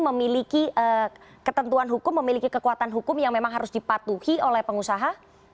memiliki ketentuan hukum memiliki kekuatan hukum yang memang harus dipatuhi oleh pengusaha